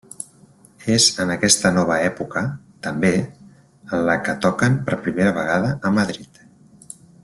És en aquesta nova època, també, en la que toquen per primera vegada a Madrid.